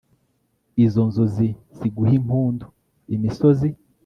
izo nzuzi ziguh'impundu, +r, imisozi